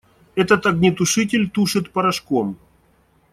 Этот огнетушитель тушит порошком.